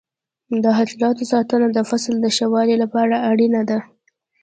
د حاصلاتو ساتنه د فصل د ښه والي لپاره اړینه ده.